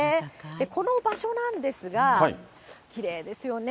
この場所なんですが、きれいですよね。